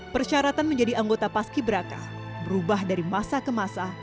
persyaratan menjadi anggota paski braka berubah dari masa ke masa